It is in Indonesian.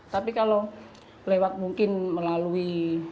tapi kalau lewat mungkin melalui